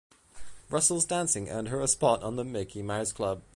Russell's dancing earned her a spot on The Mickey Mouse Club.